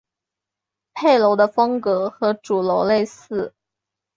配楼的风格和主楼类似。